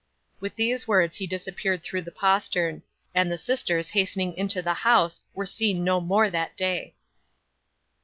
'With these words he disappeared through the postern; and the sisters hastening into the house were seen no more that day.